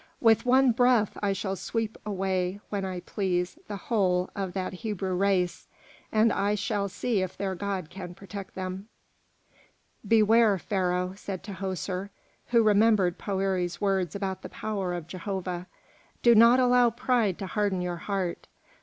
With one breath I shall sweep away when I please the whole of that Hebrew race, and I shall see if their god can protect them." "Beware, Pharaoh," said Tahoser, who remembered Poëri's words about the power of Jehovah. "Do not allow pride to harden your heart.